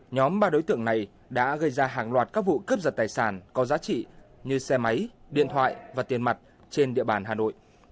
nhóm ba đối tượng này đã gây ra hàng loạt các vụ cướp giật tài sản có giá trị như xe máy điện thoại và tiền mặt trên địa bàn hà nội